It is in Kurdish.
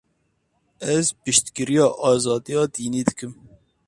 Ez piştgiriya azadiya dînî dikim.